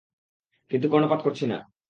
কিন্তু কর্ণপাত করছি না।